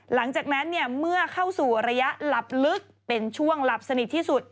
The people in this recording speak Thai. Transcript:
หลังจากนั้นเมื่อเข้าสู่ระยะหลับลึกเป็นช่วงหลับสนิทที่สุด